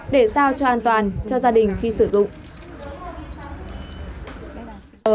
để sao cho an toàn cho gia đình khi sử dụng